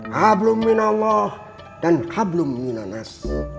hablum minallah dan hablum minanas